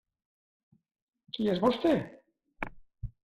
Qui és vostè?